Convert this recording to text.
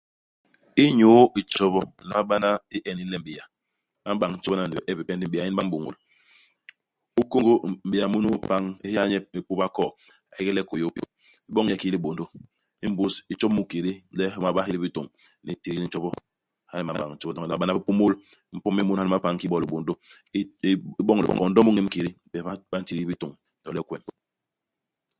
Iñyu itjo ntjobo, u nlama bana i e ini le m'béa. Ba m'bañ ntjobo naano ni bie bipe ndi m'béa nyen ba m'bôñôl. U kông m'béa munu i pañ, u héya ñye puba i koo. A yégle kôyôp. U boñ ñye kiki libôndô. Imbus u tjo mu i kédé, le i homa ba nhél bitôñ, ni ntidil u ntjobo. Hala ñyen ba m'bañ ntjobo. Doñ u nlama bana bipômôl. U mpom ñye munu i mapañ kiki bo libôndô. U bo u boñ lipondo mu i ñem-kédé. Ipes ba ba ntibil bitôñ, to le kwem.